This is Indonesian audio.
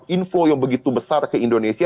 info yang begitu besar ke indonesia